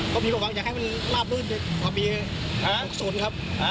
ก็มีความหวังอยากให้มันราบลื้นไปกว่าปี๖๐ครับ